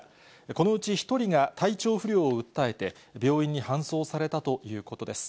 このうち１人が体調不良を訴えて、病院に搬送されたということです。